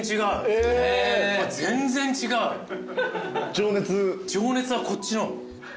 情熱はこっちの。